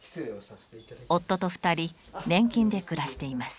夫と２人年金で暮らしています。